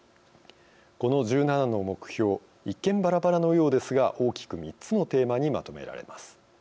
この１７の目標一見ばらばらのようですが大きく３つのテーマにまとめられます。